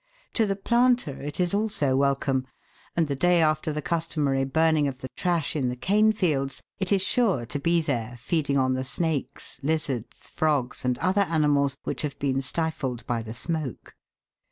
To the planter it is also welcome, and the day after the customary burning of the trash in the cane fields, it is sure to be there feeding on the snakes, lizards, frogs, and other animals, which have been stifled by the smoke.